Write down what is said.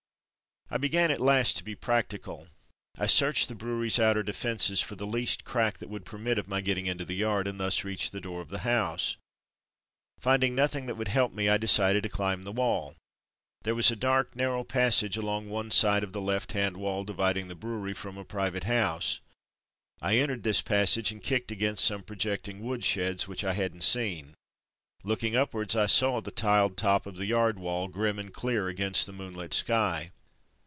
I began at last to be practical. I searched the brewery's outer defences for the least crack that would permit of my getting into the yard, and thus reach the door of the house. Finding nothing that would help me, I decided to climb the wall. There was a dark, narrow passage along one side of the A Brewery Billet 283 left hand wall, dividing the brewery from a private house. I entered this passage and kicked against some projecting wood sheds which I hadn't seen. Looking up wards, I saw the tiled top of the yard wall, grim and clear against the moonlit sky.